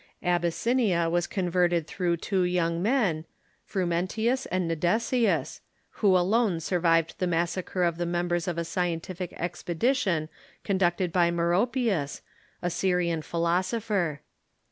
Abyssinia was converted through two young men, Frumentius and Nedesius, who alone survived the massacre of the mem bers of a scientific expedition conducted by Meropius, a Syrian philosopher.